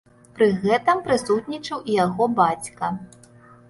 Пры гэтым прысутнічаў і яго бацька.